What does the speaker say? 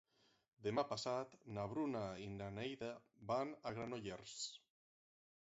Demà passat na Bruna i na Neida van a Granollers.